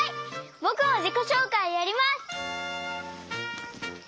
ぼくもじこしょうかいやります！